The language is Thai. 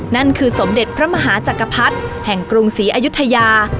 นั่นคือสมเด็จพระมหาจักรพรรดิแห่งกรุงศรีอายุทยา